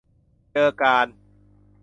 เจอกาน